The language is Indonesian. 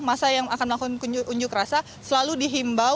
masa yang akan melakukan unjuk rasa selalu dihimbau